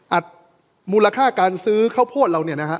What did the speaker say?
อัดมูลค่าการซื้อข้าวโพดเรา